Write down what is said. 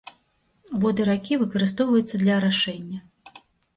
Воды ракі выкарыстоўваюцца для арашэння.